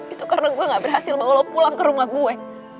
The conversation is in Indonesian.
itu karena gue gak berhasil mau lo pulang ke rumah gue